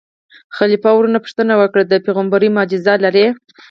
خلیفه ورنه پوښتنه وکړه: د پېغمبرۍ معجزه لرې.